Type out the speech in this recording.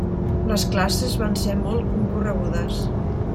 Les classes van ser molt concorregudes.